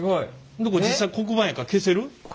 これ実際黒板やから消せる？